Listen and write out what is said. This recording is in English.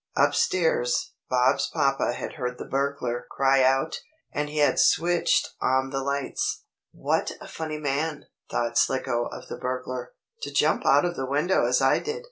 Up stairs Bob's papa had heard the burglar cry out, and he had switched on the lights. "What a funny man," thought Slicko of the burglar, "to jump out of the window as I did.